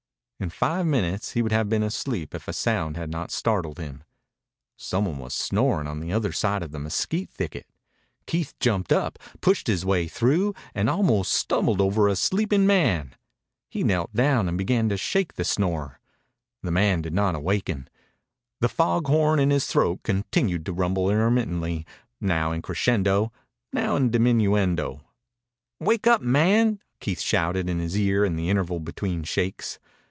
In five minutes he would have been asleep if a sound had not startled him. Some one was snoring on the other side of a mesquite thicket. Keith jumped up, pushed his way through, and almost stumbled over a sleeping man. He knelt down and began to shake the snorer. The man did not awaken. The foghorn in his throat continued to rumble intermittently, now in crescendo, now in diminuendo. "Wake up, man!" Keith shouted in his ear in the interval between shakes.